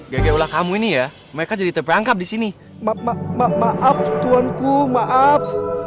gajah ulah kamu ini ya mereka jadi terperangkap di sini maaf tuhanku maaf